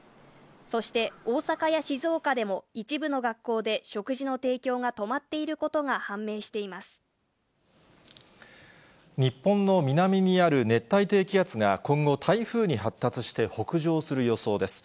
そして大阪や静岡でも一部の学校で食事の提供が止まっていること日本の南にある熱帯低気圧が今後、台風に発達して北上する予想です。